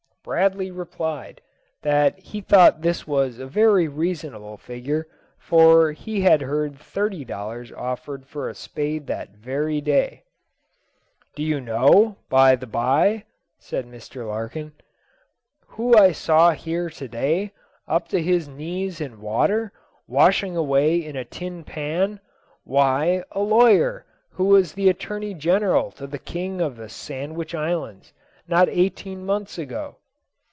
Bradley replied that he thought this was a very reasonable figure, for he had heard thirty dollars offered for a spade that very day. "Do you know, by the by," said Mr. Larkin, "who I saw here to day, up to his knees in water, washing away in a tin pan? Why, a lawyer who was the Attorney General to the King of the Sandwich Islands, not eighteen months ago."